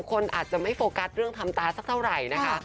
คนอาจจะไม่โฟกัสเรื่องทำตาสักเท่าไหร่นะคะ